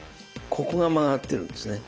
ここが回ってるんですね。